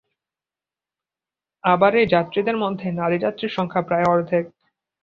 আবার এই যাত্রীদের মধ্যে নারী যাত্রীর সংখ্যা প্রায় অর্ধেক।